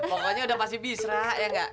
pokoknya udah masih bisa ya nggak